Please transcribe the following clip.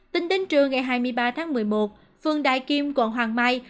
tính đến trưa ngày hai mươi ba tháng một mươi một phường đại kim quận hoàng mai